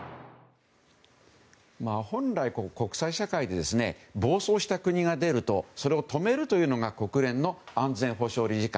本来、国際社会で暴走した国が出るとそれを止めるというのが国連の安全保障理事会。